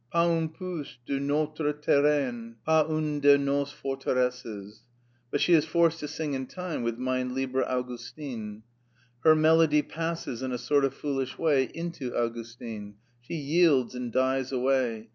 "Pas un pouce de notre terrain; pas une de nos forteresses." But she is forced to sing in time with "Mein lieber Augustin." Her melody passes in a sort of foolish way into Augustin; she yields and dies away.